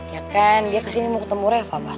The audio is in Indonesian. ya kan dia kesini mau ketemu reva pak